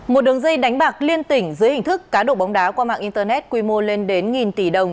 một đường dây đánh bạc liên tỉnh dưới hình thức cá độ bóng đá qua mạng internet quy mô lên đến nghìn tỷ đồng